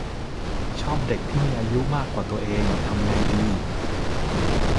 ชอบเด็กที่มีอายุมากกว่าตัวเอง ทำไงดี